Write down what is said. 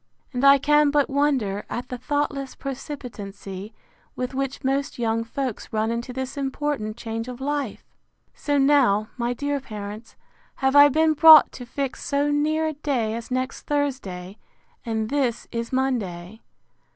And I can but wonder at the thoughtless precipitancy with which most young folks run into this important change of life! So now, my dear parents, have I been brought to fix so near a day as next Thursday; and this is Monday.